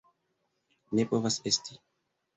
Ne povas esti!